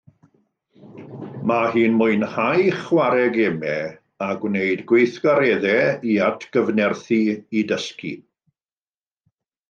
Mae hi'n mwynhau chwarae gemau a gwneud gweithgareddau i atgyfnerthu ei dysgu